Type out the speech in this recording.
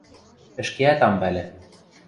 — Ӹшкеӓт ам пӓлӹ...